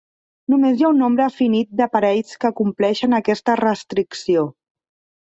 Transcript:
Només hi ha un nombre finit de parells que compleixen aquesta restricció.